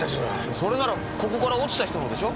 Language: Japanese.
それならここから落ちた人のでしょ？